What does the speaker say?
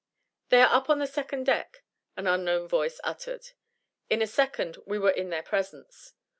"They are up on the second deck," an unknown voice uttered. In a second we were in their presence.